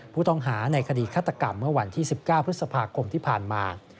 ผู้ต้องหาในคดีฆาตกรรมเมื่อวันที่๑๙พฤษภาคมที่ผ่านมา